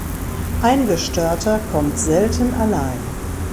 Ein Gestörter kommt selten allein.